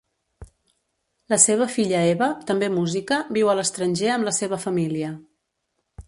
La seva filla Eva, també música, viu a l'estranger amb la seva família.